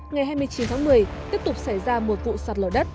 ngày hai mươi chín tháng một mươi tiếp tục xảy ra một vụ sạt lở đất